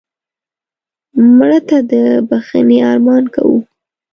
مړه ته د بښنې ارمان کوو